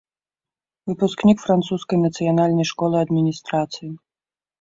Выпускнік французскай нацыянальнай школы адміністрацыі.